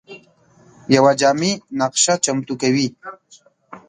یوه جامع نقشه چمتو کوي.